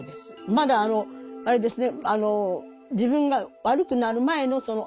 まだあれですね